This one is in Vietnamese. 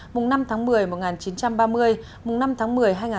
mùng năm tháng một mươi một nghìn chín trăm ba mươi mùng năm tháng một mươi hai nghìn hai mươi